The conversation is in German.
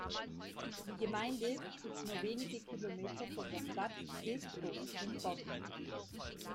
Die Gemeinde ist nur wenige Kilometer von der Stadt Beeskow entfernt.